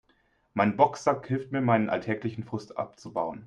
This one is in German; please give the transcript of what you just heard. Mein Boxsack hilft mir, meinen alltäglichen Frust abzubauen.